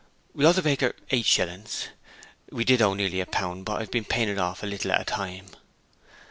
'We owe the baker eight shillings. We did owe nearly a pound, but I've been paying it off a little at a time.'